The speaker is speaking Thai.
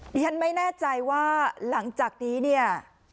ดิฉันไม่แน่ใจว่าหลังจากนี้เนี่ย